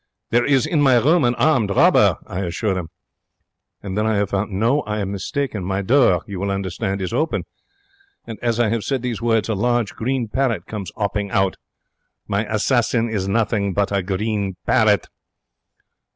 'There is in my room an armed robber,' I assure them. And then I have found no, I am mistaken. My door, you will understand, is open. And as I have said these words, a large green parrot comes 'opping out. My assassin is nothing but a green parrot.